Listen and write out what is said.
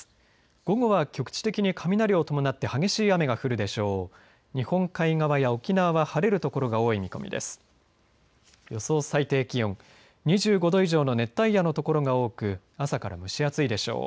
午後は局地的に雷を伴って激しい雨が降るでしょう。